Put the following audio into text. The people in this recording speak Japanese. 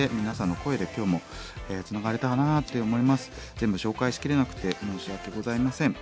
全部紹介しきれなくて申し訳ございません。